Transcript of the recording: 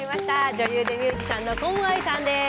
女優でミュージシャンのコムアイさんです。